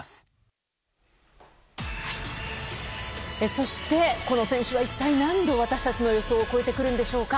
そして、この選手は一体何度、私たちの予想を超えてくるんでしょうか。